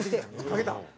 かけたん？